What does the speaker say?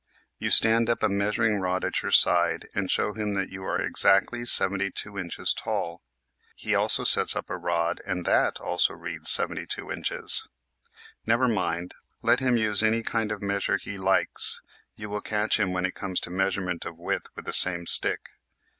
You stand up a measuring rod at your side and show him that you are exactly 72 inches tall. He also sets up a rod and that also reads 'J2 inches. Never mind, let him use any kind of measure he likes, you will catch him when it comes to measurement of width with the same stick.